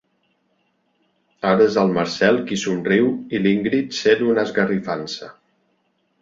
Ara és el Marcel qui somriu i l'Ingrid sent una esgarrifança.